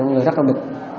người rất là bực